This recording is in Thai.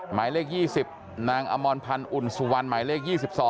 หมายเลข๒๐นางอมรพันธ์อุ่นสุวรรณหมายเลข๒๒